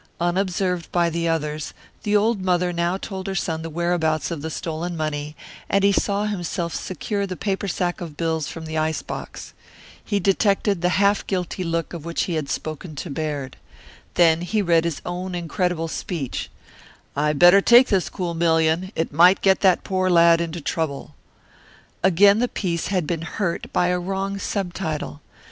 Unobserved by the others, the old mother now told her son the whereabouts of the stolen money, and he saw himself secure the paper sack of bills from the ice box. He detected the half guilty look of which he had spoken to Baird. Then he read his own incredible speech "I better take this cool million. It might get that poor lad into trouble!" Again the piece had been hurt by a wrong subtitle.